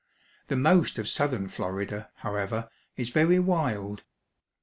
The most of southern Florida, however, is very wild.